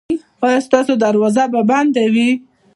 ایا ستاسو دروازه به بنده وي؟